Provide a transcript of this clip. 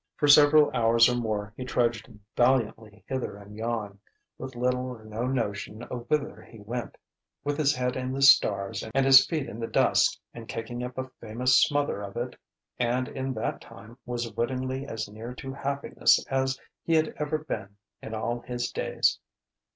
For several hours or more he trudged valiantly hither and yon, with little or no notion of whither he went with his head in the stars and his feet in the dust and kicking up a famous smother of it and in that time was wittingly as near to happiness as he had ever been in all his days.